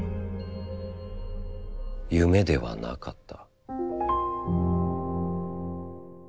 夢ではなかった」。